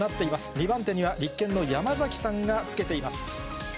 ２番手には立憲の山崎さんがつけています。